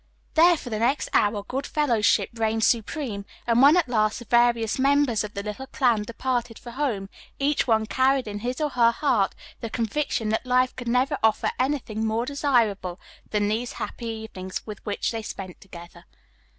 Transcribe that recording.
There for the next hour goodfellowship reigned supreme, and when at last the various members of the little clan departed for home, each one carried in his or her heart the conviction that Life could never offer anything more desirable than these happy evenings which they had spent together.